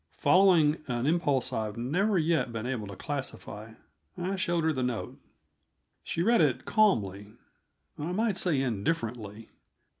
Following an impulse I've never yet been able to classify, I showed her the note. She read it calmly I might say indifferently.